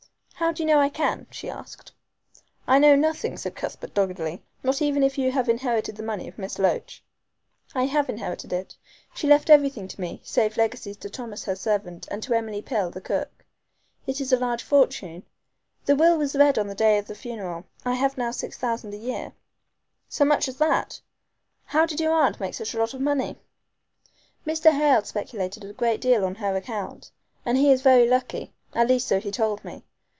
"How do you know I can?" she asked. "I know nothing," said Cuthbert doggedly, "not even if you have inherited the money of Miss Loach." "I have inherited it. She left everything to me, save legacies to Thomas her servant, and to Emily Pill, the cook. It is a large fortune. The will was read on the day of the funeral. I have now six thousand a year." "So much as that? How did your aunt make such a lot of money?" "Mr. Hale speculated a great deal on her account, and, he is very lucky. At least so he told me.